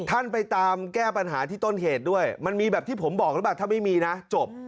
ท่านไปตามแก้ปัญหาที่ต้นเหตุด้วยมันมีแบบที่ผมบอกหรือเปล่าถ้าไม่มีนะจบ